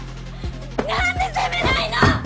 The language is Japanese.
なんで責めないの！